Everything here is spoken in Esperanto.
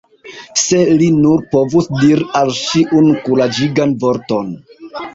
Se li nur povus diri al ŝi unu kuraĝigan vorton!